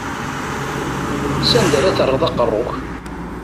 S anda ara terreḍ aqerru-k?